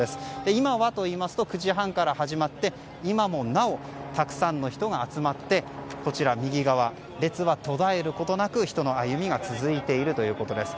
今はと言いますと９時半から始まって今もなおたくさんの人が集まって右側、列は途絶えることなく人の歩みが続いているということです。